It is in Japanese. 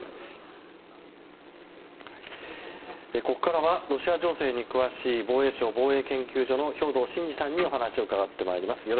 ここからはロシア情勢に詳しい防衛省防衛研究所の兵頭慎治さんにお話を伺ってまいります。